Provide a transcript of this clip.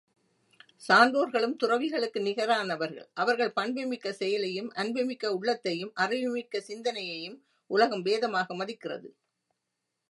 சான்றோர்களும் துறவிகளுக்கு நிகரானவர்கள் அவர்கள் பண்புமிக்க செயலையும், அன்புமிக்க உள்ளத்தையும், அறிவு மிக்க சிந்தனையையும் உலகம் வேதமாக மதிக்கிறது.